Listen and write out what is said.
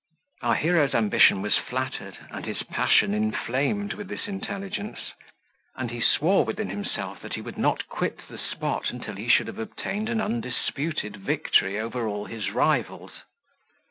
Our hero's ambition was flattered, and his passion inflamed with this intelligence; and he swore within himself that he would not quit the spot until he should have obtained an undisputed victory over all his rivals.